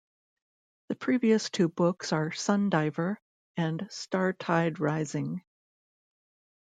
The previous two books are "Sundiver" and "Startide Rising".